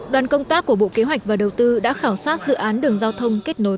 đoàn công tác của bộ kế hoạch và đầu tư đã khảo sát dự án đường giao thông kết nối